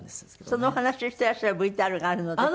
その話していらっしゃるＶＴＲがあるので。